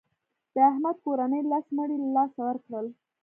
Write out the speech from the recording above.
د احمد کورنۍ لس مړي له لاسه ورکړل.